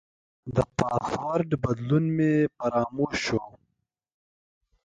د پاسورډ بدلون مې فراموش شو.